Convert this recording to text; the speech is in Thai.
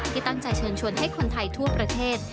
ที่ตั้งใจเชิญชวนให้คนไทยทั่วประเทศ